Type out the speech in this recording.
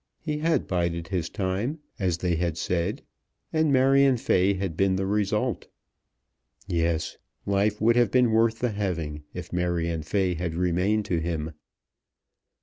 He had bided his time, as they had said, and Marion Fay had been the result. Yes; life would have been worth the having if Marion Fay had remained to him.